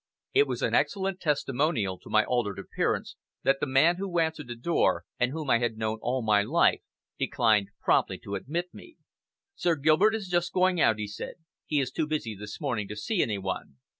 It was an excellent testimonial to my altered appearance, that the man who answered the door, and whom I had known all my life, declined promptly to admit me. "Sir Gilbert is just going out," he said. "He is too busy this morning to see any one."